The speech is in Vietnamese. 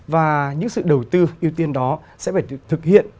và những sự đầu tư ưu tiên đó sẽ phải thực hiện